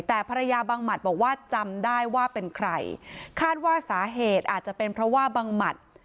แต่ภรรยาบังหมัดบอกว่าจำได้ว่าเป็นใครคาดว่าสาเหตุอาจจะเป็นเพราะว่าบังหมัด